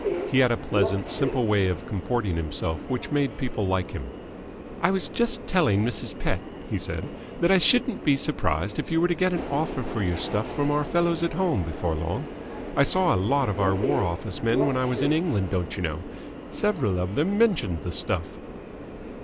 He had a pleasant, simple way of comporting himself which made people like him. "I was just telling Mrs. Pett," he said, "that I shouldn't be surprised if you were to get an offer for your stuff from our fellows at home before long. I saw a lot of our War Office men when I was in England, don't you know. Several of them mentioned the stuff."